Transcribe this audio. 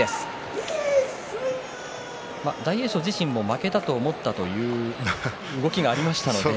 大栄翔自身も負けたと思ったという動きがありましたのでね。